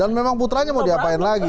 dan memang putranya mau diapain lagi